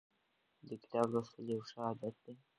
د کتاب لوستل یو ښه عادت دی.